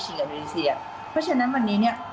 กับโดนีเซียเพราะฉะนั้นวันนี้เนี่ย